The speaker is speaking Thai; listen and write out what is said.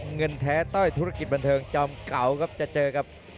เงินแท้ต้อยธุรกิจบันเทิงจอมเก่าครับจะเจอกับ